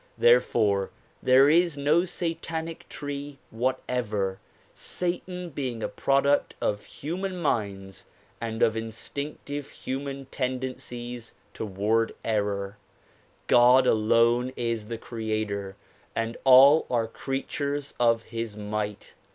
Therefore there is no satanic tree whatever; "satan" being a product of human minds and of instinctive human tendencies toward error. God alone is creator and all are creatures of his might.